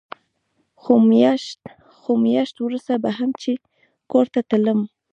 خو مياشت وروسته به هم چې کور ته تلم.